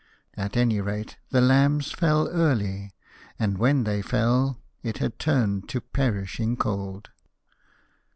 At any rate the lambs fell early; and when they fell, it had turned to perishing cold.